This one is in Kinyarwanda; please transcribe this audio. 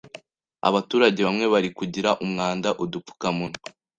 abaturage bamwe bari kugira umwanda udupfukamunwa